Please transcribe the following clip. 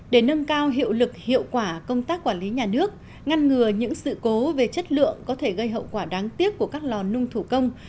để nâng cao hiệu lực hiệu quả công tác quản lý nhà nước ngăn ngừa những sự cố về chất lượng có thể gây hậu quả đáng tiếc của các lò nung thủ công